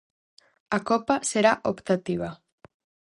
A copa será optativa.